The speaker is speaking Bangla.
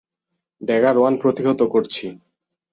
ড্যাগার ওয়ান প্রতিহত করছি।